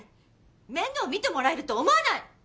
面倒見てもらえると思わない！